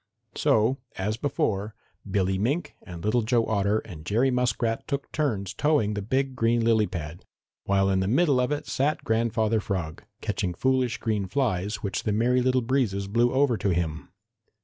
So, as before, Billy Mink and Little Joe Otter and Jerry Muskrat took turns towing the big green lily pad, while in the middle of it sat Grandfather Frog, catching foolish green flies which the Merry Little Breezes blew over to him.